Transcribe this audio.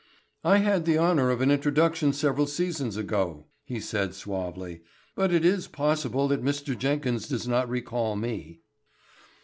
"I had the honor of an introduction several seasons ago," he said suavely, "but it is possible that Mr. Jenkins does not recall me."